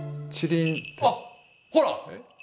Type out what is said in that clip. あっほら。